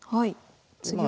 次は？